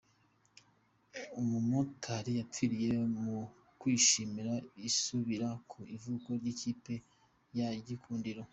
Umumotari yapfiriye mu kwishimira isubira ku ivuko ry’Ikipe ya gikundiro